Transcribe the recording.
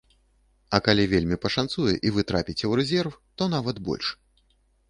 А калі вельмі пашанцуе і вы трапіце ў рэзерв, то нават больш.